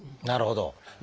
なるほど。